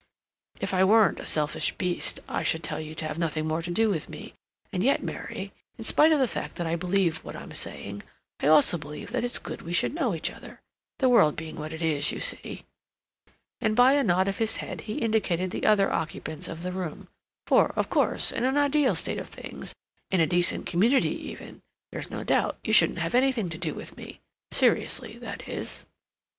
"If I weren't a selfish beast I should tell you to have nothing more to do with me. And yet, Mary, in spite of the fact that I believe what I'm saying, I also believe that it's good we should know each other—the world being what it is, you see—" and by a nod of his head he indicated the other occupants of the room, "for, of course, in an ideal state of things, in a decent community even, there's no doubt you shouldn't have anything to do with me—seriously, that is."